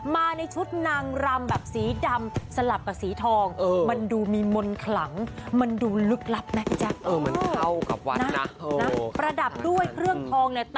มาในชุดนางรำแบบสีดำสลับกับสีทองมันดูมีมนต์ขลังมันดูลึกลับนะแจ๊ค